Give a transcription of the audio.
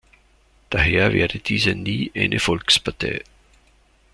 Daher werde diese nie eine Volkspartei.